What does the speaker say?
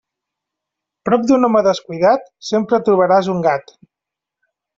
Prop d'un home descuidat, sempre trobaràs un gat.